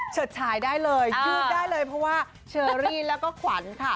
ฉายได้เลยยืดได้เลยเพราะว่าเชอรี่แล้วก็ขวัญค่ะ